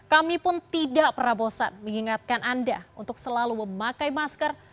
kami pun tidak pernah bosan mengingatkan anda untuk selalu memakai masker